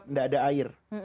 tidak ada air